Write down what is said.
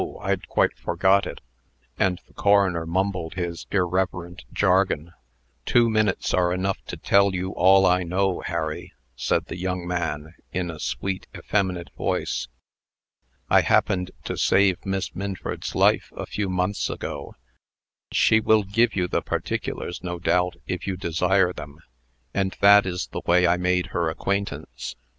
I'd quite forgot it." And the coroner mumbled his irreverent jargon. "Two minutes are enough to tell you all I know, Harry," said the young man, in a sweet, effeminate voice. "I happened to save Miss Minford's life, a few months ago she will give you the particulars, no doubt, if you desire them and that is the way I made her acquaintance."